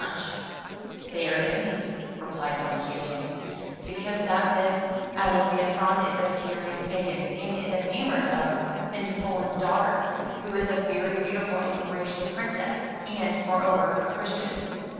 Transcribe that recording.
96 FROM THE TOWER WINDOW "They are enemies/' replied Don Quixote, ''because that this AUfamfaron is a furious pagan, and is enamoured of PentapoUn's daughter, who is a very beautiful and gracious Princess, and, moreover, a Christian.